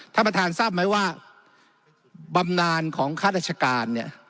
ท่านประธานทราบไหมว่าบำนานของข้าราชการเนี่ย